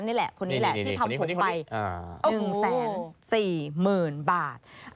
นี่แหละคนนี้แหละที่ทำผมไป๑๔๐๐๐บาท